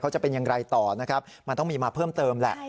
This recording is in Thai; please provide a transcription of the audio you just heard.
จะเป็นอย่างไรต่อนะครับมันต้องมีมาเพิ่มเติมแหละ